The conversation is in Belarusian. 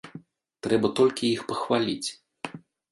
Трэба толькі іх пахваліць.